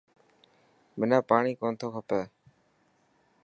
منا پاڻي ڪونٿو کپي.